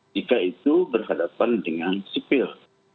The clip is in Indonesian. jika itu berhadapan dengan sipil